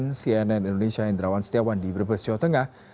tni dan indonesia hendrawan setiawan di brebes jawa tengah